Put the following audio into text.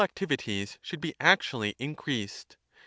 xxxiv ties should be actually increased.